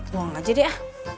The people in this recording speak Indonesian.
luang aja deh ya